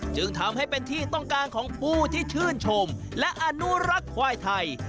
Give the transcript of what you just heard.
จึงทำให้เป็นที่ต้องการของผู้ที่ชื่นชมและอนุรักษ์ควายไทย